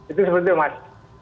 itu sebetulnya mas